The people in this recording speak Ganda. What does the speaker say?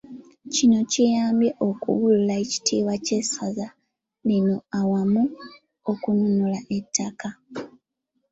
Kino kiyambye okubbulula ekitiibwa ky'essaza lino awamu n'okununula ettaka .